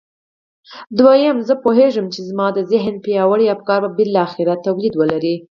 دويم زه پوهېږم چې زما د ذهن پياوړي افکار به بالاخره توليد ولري.